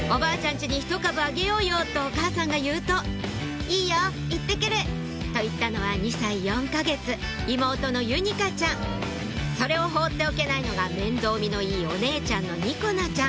家にひと株あげようよ」とお母さんが言うと「いいよ行って来る」と言ったのは２歳４か月妹のゆにかちゃんそれを放っておけないのが面倒見のいいお姉ちゃんのにこなちゃん